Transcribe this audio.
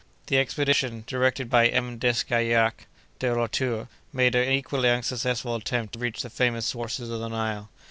The expedition directed by M. d'Escayrac de Lauture made an equally unsuccessful attempt to reach the famous sources of the Nile.